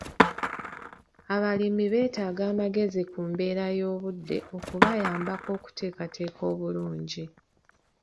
Abalimi beetaaga amagezi ku mbeera y'obudde okubayambako okuteekateeka obulungi